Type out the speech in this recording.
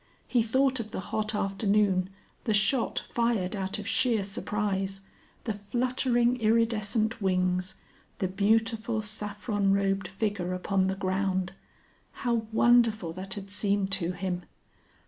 He thought of the hot afternoon, the shot fired out of sheer surprise, the fluttering iridescent wings, the beautiful saffron robed figure upon the ground. How wonderful that had seemed to him!